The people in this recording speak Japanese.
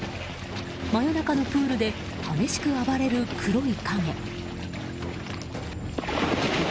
真夜中のプールで激しく暴れる黒い影。